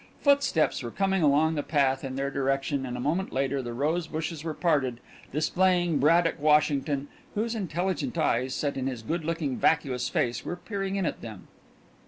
Footsteps were coming along the path in their direction, and a moment later the rose bushes were parted displaying Braddock Washington, whose intelligent eyes set in his good looking vacuous face were peering in at them.